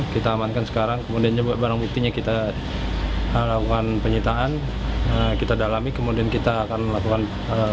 kita amankan sekarang kemudian barang buktinya kita lakukan penyitaan kita dalami kemudian kita akan melakukan